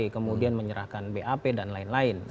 kemudian menyerahkan bap dan lain lain